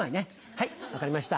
はい分かりました。